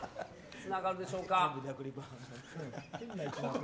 つながるでしょうか。